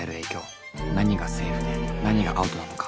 何がセーフで何がアウトなのか。